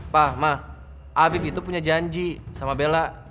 pak ma afif itu punya janji sama bella